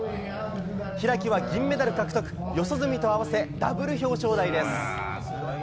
開は銀メダル獲得、四十住と合わせ、ダブル表彰台です。